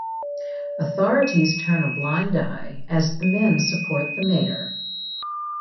Authorities turn a blind eye as the men support the mayor.